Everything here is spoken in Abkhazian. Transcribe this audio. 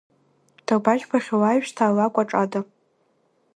Дабажәбахьоу аҩсҭаа алакәаҿ ада?